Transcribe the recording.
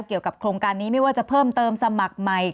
เกี่ยวกับโครงการนี้ไม่ว่าจะเพิ่มเติมสมัครใหม่